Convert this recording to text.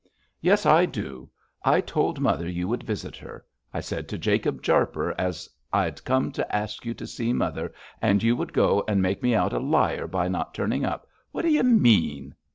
'Yes, I do. I told mother you would visit her. I said to Jacob Jarper as I'd come to ask you to see mother, and you go and make me out a liar by not turning up. What do you mean?'